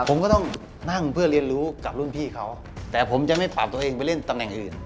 ผมก็ต้องนั่งเพื่อเรียนรู้กับรุ่นพี่เขาแต่ผมจะไม่ปรับตัวเองไปเล่นตำแหน่งอื่น